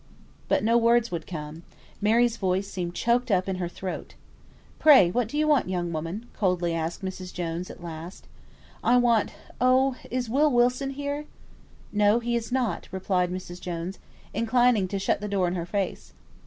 But no words would come. Mary's voice seemed choked up in her throat. "Pray what do you want, young woman?" coldly asked Mrs. Jones at last. "I want Oh! is Will Wilson here?" "No, he is not," replied Mrs. Jones, inclining to shut the door in her face.